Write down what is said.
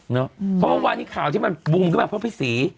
เนอะอืมเพราะวันนี้ข่าวที่มันบุงขึ้นมาเพราะพี่ศรี